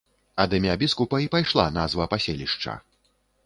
Ад імя біскупа і пайшла назва паселішча.